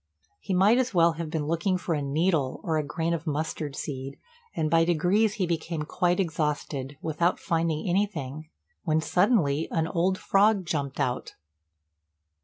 He might as well have been looking for a needle or a grain of mustard seed; and by degrees he became quite exhausted, without finding anything, when suddenly an old frog jumped out.